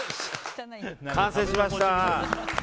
完成しました！